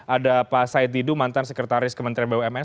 ada pak said didu mantan sekretaris kementerian bumn